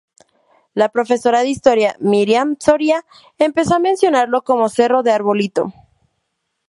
La profesora de Historia Myriam Soria empezó a mencionarlo como "Cerro del Arbolito".